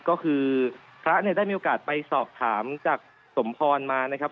ก็คือพระเนี่ยได้มีโอกาสไปสอบถามจากสมพรมานะครับ